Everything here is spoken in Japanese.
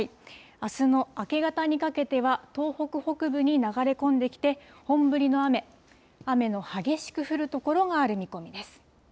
あすの明け方にかけては、東北北部に流れ込んできて、本降りの雨、雨の激しく降る所がある見込みです。